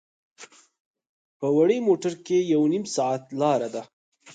په وړې موټر کې یو نیم ساعت لاره ده.